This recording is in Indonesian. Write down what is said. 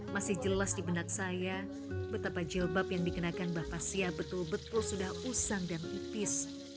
masih jelas di benak saya betapa jilbab yang dikenakan mbah fasia betul betul sudah usang dan tipis